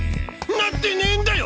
なってねぇんだよ